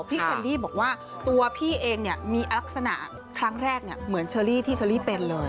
แคนดี้บอกว่าตัวพี่เองมีลักษณะครั้งแรกเหมือนเชอรี่ที่เชอรี่เป็นเลย